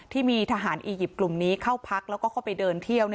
ที่มีทหารอียิปต์กลุ่มนี้เข้าพักแล้วก็เข้าไปเดินเที่ยว